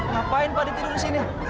ngapain pak ditidur di sini